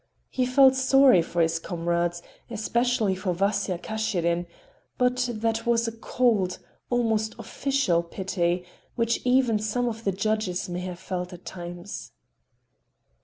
He felt sorry for his comrades, especially for Vasya Kashirin; but that was a cold, almost official pity, which even some of the judges may have felt at times.